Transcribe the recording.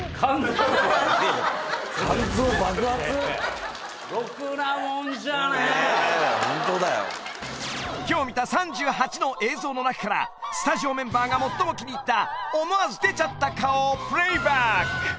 肝臓ホントだよ今日見た３８の映像の中からスタジオメンバーが最も気に入った思わず出ちゃった顔プレイバック！